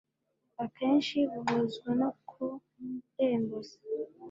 akenshi buhuzwa no kurembuza